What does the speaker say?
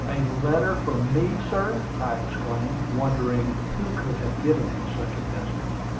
"A letter for me, sir!" I exclaimed, wondering who could have given him such a missive.